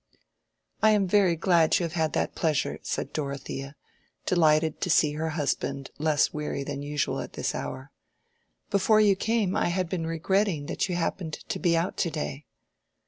"I am very glad you have had that pleasure," said Dorothea, delighted to see her husband less weary than usual at this hour. "Before you came I had been regretting that you happened to be out to day."